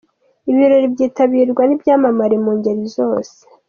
Ibi birori byitabirwa n'ibyamamare mu ngeri zose.